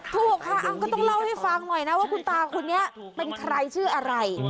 ถูกค่ะก็ต้องเล่าให้ฟังหน่อยนะว่าคุณตาคนนี้เป็นใครชื่ออะไร